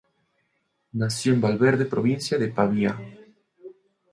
Nació en Valverde, provincia de Pavía.